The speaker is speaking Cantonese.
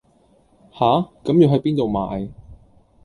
吓,咁要係邊到買